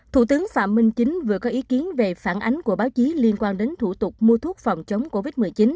thủ tướng phạm minh chính vừa có ý kiến về phản ánh của báo chí liên quan đến thủ tục mua thuốc phòng chống covid một mươi chín